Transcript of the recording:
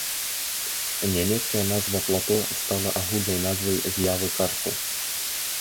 Нямецкая назва плато стала агульнай назвай з'явы карсту.